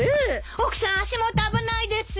奥さん足元危ないですよ。